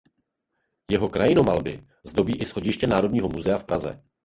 Jeho krajinomalby zdobí i schodiště Národního muzea v Praze.